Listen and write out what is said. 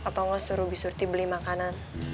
atau nggak suruh bisurti beli makanan